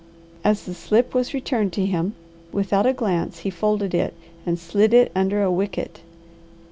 As the slip was returned to him, without a glance he folded it and slid it under a wicket.